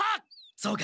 そうか！